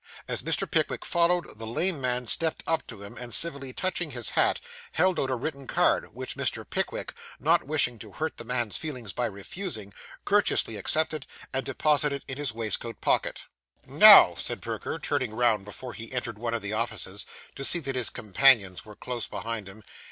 As Mr. Pickwick followed, the lame man stepped up to him, and civilly touching his hat, held out a written card, which Mr. Pickwick, not wishing to hurt the man's feelings by refusing, courteously accepted and deposited in his waistcoat pocket. 'Now,' said Perker, turning round before he entered one of the offices, to see that his companions were close behind him.